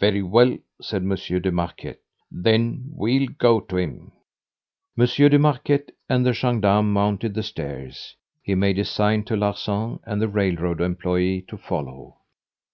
"Very well," said Monsieur de Marquet; "then we'll go to him." Monsieur de Marquet and the gendarme mounted the stairs. He made a sign to Larsan and the railroad employeee to follow.